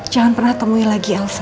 jangan pernah temui lagi elsa